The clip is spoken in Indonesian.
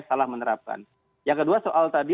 salah menerapkan yang kedua soal tadi